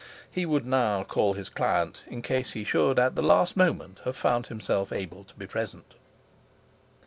He would now call his client, in case he should at the last moment have found himself able to be present.